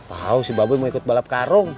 tau si babe mau ikut balap karung